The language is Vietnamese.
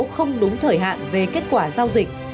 không đúng thời hạn về kết quả giao dịch